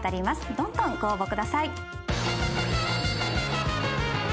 どんどんご応募ください。